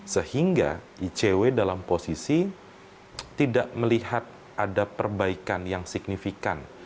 sehingga icw dalam posisi tidak melihat ada perbaikan yang signifikan